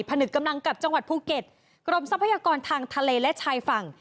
นึกกำลังกับจังหวัดภูเก็ตกรมทรัพยากรทางทะเลและชายฝั่ง